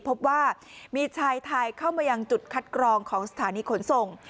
พบว่ามีชายไทยเข้ามายังจุดคัดกรองของสถานีขนส่ง